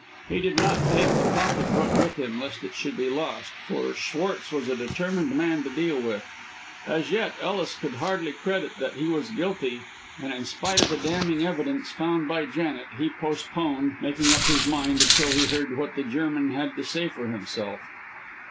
He did not take the pocket book with him lest it should be lost, for Schwartz was a determined man to deal with. As yet Ellis could hardly credit that he was guilty, and in spite of the damning evidence found by Janet he postponed, making up his mind until he heard what the German had to say for himself.